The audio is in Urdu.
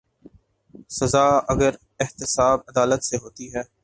سزا اگر احتساب عدالت سے ہوتی ہے۔